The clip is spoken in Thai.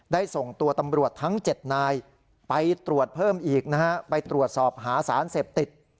ส่งตัวตำรวจทั้ง๗นายไปตรวจเพิ่มอีกนะฮะไปตรวจสอบหาสารเสพติด